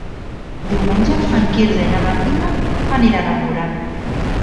Diumenge en Quirze i na Martina aniran a Mura.